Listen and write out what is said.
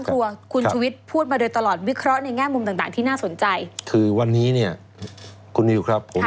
แต่ว่าอัปเดตความคลิปหน้าประเด็นต่างกันก่อน